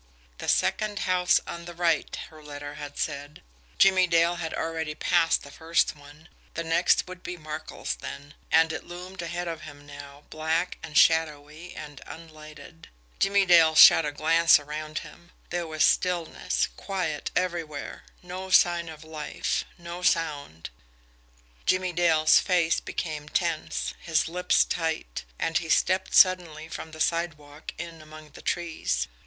"The second house on the right," her letter had said. Jimmie Dale had already passed the first one the next would be Markel's then and it loomed ahead of him now, black and shadowy and unlighted. Jimmie Dale shot a glance around him there was stillness, quiet everywhere no sign of life no sound. Jimmie Dale's face became tense, his lips tight and he stepped suddenly from the sidewalk in among the trees.